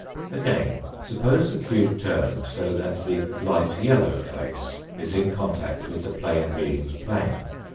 Again, suppose the cube turned so that the light yellow face is in contact with the plane being's plane.